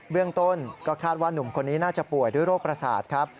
เรื่องต้นก็คาดว่านุ่มคนนี้น่าจะป่วยด้วยโรคประสาทครับ